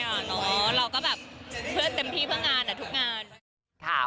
อ๋อเราก็เศรษฐ์เต็มที่เพื่องงานทุกงาน